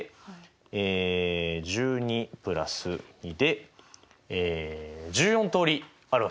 え１２＋２で１４通りあるわけですね。